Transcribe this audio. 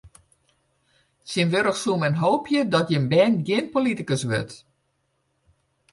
Tsjintwurdich soe men hoopje dat jins bern gjin politikus wurdt.